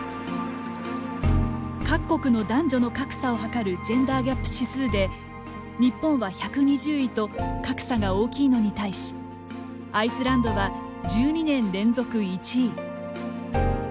各国の男女の格差を測るジェンダーギャップ指数で日本は１２０位と格差が大きいのに対しアイスランドは１２年連続１位。